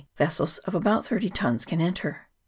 301 vessels of about thirty tons can enter.